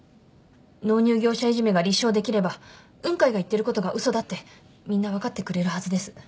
納入業者いじめが立証できれば雲海が言ってることが嘘だってみんな分かってくれるはずです。